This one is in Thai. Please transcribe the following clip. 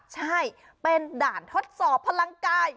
ใช่เป็นด่านทดสอบพลังกาย